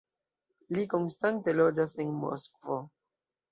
Li konstante loĝas en Moskvo.